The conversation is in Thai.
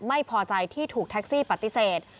ไม่พอใจที่ถูกแท็กซี่ปฏิเสธ